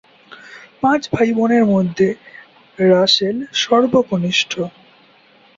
পাঁচ ভাই-বোনের মধ্যে রাসেল সর্বকনিষ্ঠ।